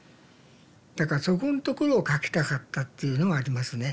だからそこんところを書きたかったっていうのはありますね。